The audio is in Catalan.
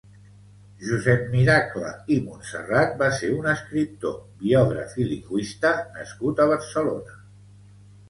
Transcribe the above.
Josep Miracle i Montserrat va ser un escriptor, biògraf i lingüista nascut a Barcelona.